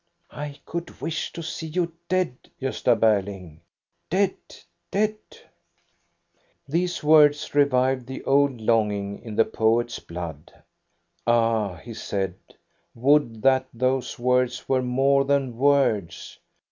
" I could wish to see you dead, Gosta Berling ! dead ! dead !" These words revived the old longing in the poef s blood. " Ah," he said, " would that those words were more than words